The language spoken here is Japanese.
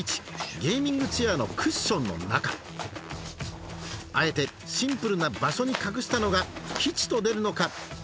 ゲーミングチェアのクッションの中あえてシンプルな場所に隠したのが吉と出るのか？